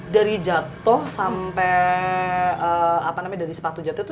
dari jatuh sampai sepatu jatuh itu